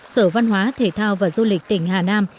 sở văn hóa thể thao và du lịch tỉnh hà nam